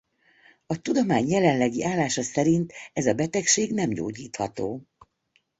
A tudomány jelenlegi állása szerint ez a betegség nem gyógyítható.